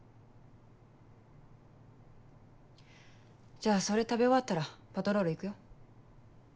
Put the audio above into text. じゃあそれ食べ終わったらパトロール行くよ。